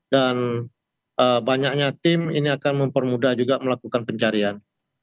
dan banyaknya tim ini akan mempermudah juga melakukan pencarian